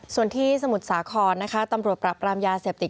ส่วนที่สมุทรสาครนะคะตำรวจปรับปรามยาเสพติด